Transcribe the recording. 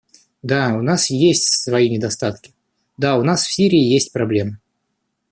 Да, у нас есть свои недостатки; да, у нас в Сирии есть проблемы.